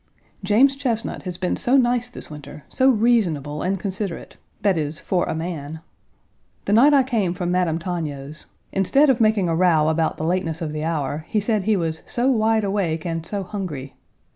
James Chesnut has been so nice this winter; so reasonable and considerate that is, for a man. The night I came from Madame Togno's, instead of making a row about the lateness of the hour, he said he was "so wide awake and so hungry."